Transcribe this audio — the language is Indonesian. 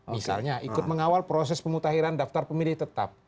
misalnya ikut mengawal proses pemutahiran daftar pemilih tetap